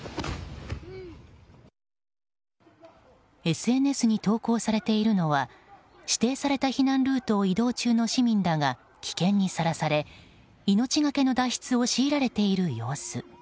ＳＮＳに投稿されているのは指定された避難ルートを移動中の市民らが危険にさらされ命がけの脱出を強いられている様子。